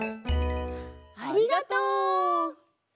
ありがとう。